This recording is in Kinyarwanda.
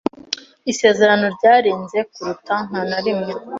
Isezerano ryarenze kuruta ntanarimwe.